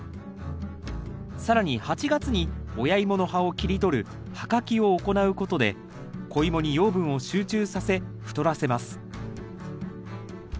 更に８月に親イモの葉を切り取る葉かきを行うことで子イモに養分を集中させ太らせます。